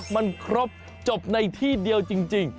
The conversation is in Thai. มันครบจบในที่เดียวจริง